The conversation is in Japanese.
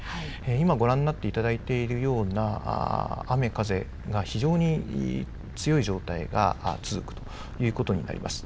今ご覧になっていただいているような雨、風が非常に強い状態が続くということになります。